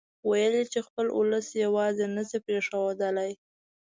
ويل يې چې خپل اولس يواځې نه شي پرېښودلای.